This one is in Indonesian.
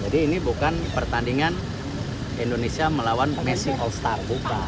jadi ini bukan pertandingan indonesia melawan messi all star